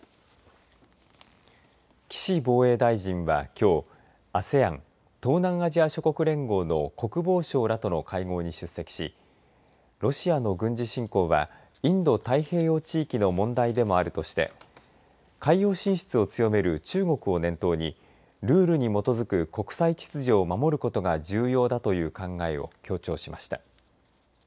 岸防衛大臣はきょうＡＳＥＡＮ東南アジア諸国連合の国防相らとの会合に出席しロシアの軍事侵攻はインド太平洋地域の問題でもあるとして海洋進出を強める中国を念頭にルールに基づく国際秩序を守ることが重要だという考えを強調しました。